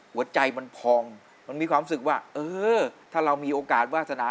หัวใจมันพองมันมีความรู้สึกว่าเออถ้าเรามีโอกาสวาสนา